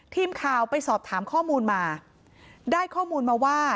ทีมข่าวไปสอบถามข้อมูลมาได้ข้อมูลมาว่า